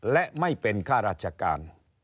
และไม่เป็นข้าราชการ